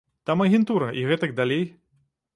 Там агентура і гэтак далей.